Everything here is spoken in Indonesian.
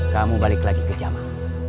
kamu balik lagi ke jaman